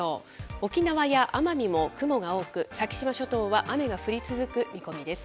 沖縄や奄美も雲が多く、先島諸島は雨が降り続く見込みです。